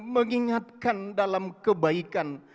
mengingatkan dalam kebaikan